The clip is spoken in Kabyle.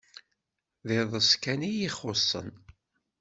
D iḍes kan iyi-ixuṣṣen.